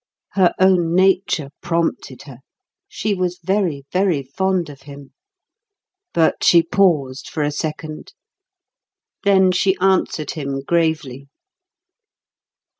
Her own nature prompted her; she was very, very fond of him. But she paused for a second. Then she answered him gravely.